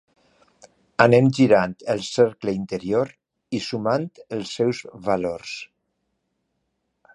Anem girant el cercle interior i sumant els seus valors.